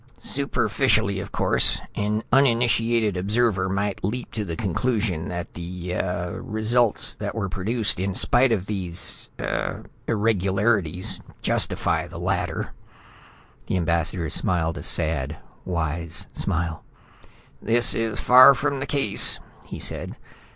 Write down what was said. "Superficially, of course, an uninitiated observer might leap to the conclusion that the ah results that were produced in spite of these ... ah ... irregularities justify the latter." The Ambassador smiled a sad, wise smile. "This is far from the case," he said.